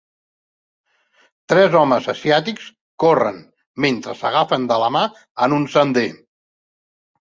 Tres homes asiàtics corren mentre s'agafen de la mà en un sender.